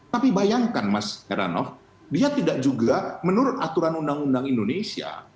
tapi bayangkan mas heranov dia tidak juga menurut aturan undang undang indonesia